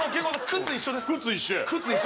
靴一緒や。